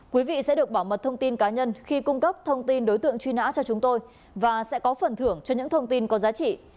quý vị sẽ được bảo mật thông tin cá nhân khi cung cấp thông tin đối tượng truy nã cho chúng tôi và sẽ có phần thưởng cho những thông tin có giá trị